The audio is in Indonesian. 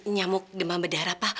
nyamuk demam berdarah pa